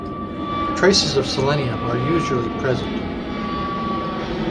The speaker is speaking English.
Traces of selenium are usually present.